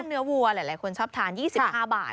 เนื้อวัวหลายคนชอบทาน๒๕บาท